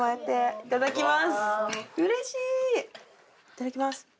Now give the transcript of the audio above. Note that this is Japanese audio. いただきます。